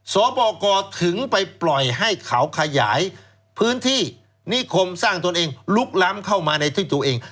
สบกถึงไปปล่อยให้เขาขยายพื้นที่นิคมสร้างตนเองลุกล้ำเข้ามาในที่ตัวเอง